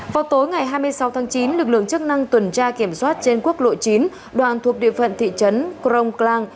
vào tối ngày hai mươi sáu tháng chín lực lượng chức năng tuần tra kiểm soát trên quốc lộ chín đoàn thuộc địa phận thị trấn crong clang